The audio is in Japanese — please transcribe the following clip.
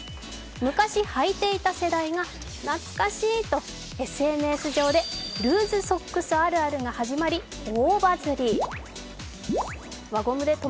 昔はいていた世代が懐かしいとＳＮＳ上でルーズソックスあるあるが始まり、大バズり。